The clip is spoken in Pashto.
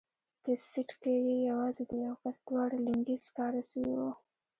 په سيټ کښې يې يوازې د يوه کس دواړه لينگي سکاره سوي وو.